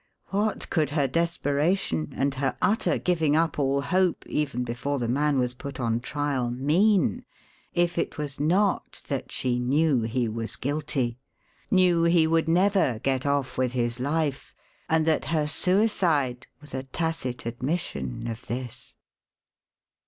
What could her desperation and her utter giving up all hope even before the man was put on trial mean if it was not that she knew he was guilty, knew he would never get off with his life, and that her suicide was a tacit admission of this?